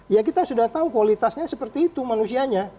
ya kita sudah tahu kualitasnya seperti itu manusianya